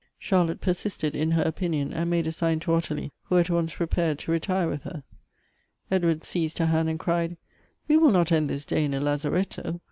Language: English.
Charlotte persisted in her opinion, and made a sign to Ottilie, who at once preptired to retire with her. Ed ward seized her hand, and cried, " We will not end this day in a lazaretto.